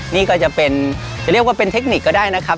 นี่ก็จะเป็นจะเรียกว่าเป็นเทคนิคก็ได้นะครับ